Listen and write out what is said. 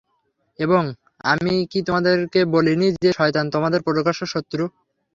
এবং আমি কি তোমাদেরকে বলিনি যে, শয়তান তোমাদের প্রকাশ্য শত্রু?